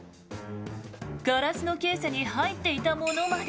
ガラスのケースに入っていたものまで。